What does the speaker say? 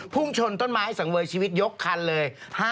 พุ่งชนต้นไม้สังเวยชีวิตยกคันเลย